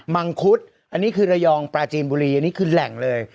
มังคุดอันนี้คือระยองปราจีนบุรีอันนี้คือแหล่งเลย